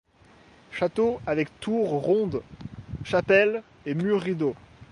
Château avec tour ronde, chapelle et mur rideau.